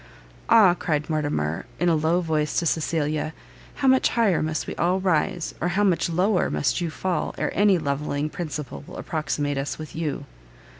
"Ah!" cried Mortimer, in a low voice to Cecilia, "how much higher must we all rise, or how much lower must you fall, ere any levelling principle will approximate us with YOU!"